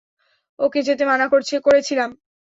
ওকে যেতে মানা করেছিলাম।